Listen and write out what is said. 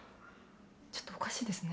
ちょっとおかしいですね。